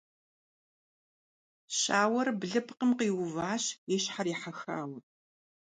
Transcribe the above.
Щауэр блыпкъым къиуващ и щхьэр ехьэхауэ.